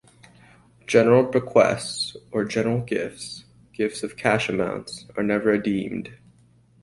General bequests or general gifts - gifts of cash amounts - are never adeemed.